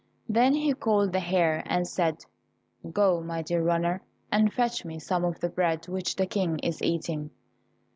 Then he called the hare and said, "Go, my dear runner, and fetch me some of the bread which the King is eating."